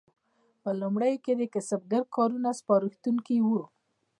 په لومړیو کې د کسبګرو کارونه سپارښتونکي وو.